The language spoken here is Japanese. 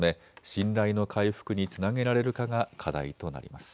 信頼の回復につなげられるかが課題となります。